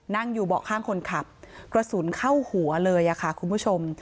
นั่งอยู่เบาะข้างคนขับกระสุนเข้าหัวเลยค่ะคุณผู้ชม